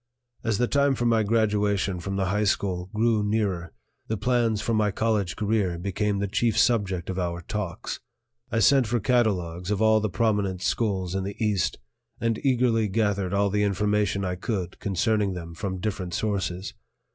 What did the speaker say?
As the time for my graduation from the high school grew nearer, the plans for my college career became the chief subject of our talks. I sent for catalogues of all the prominent schools in the East and eagerly gathered all the information I could concerning them from different sources.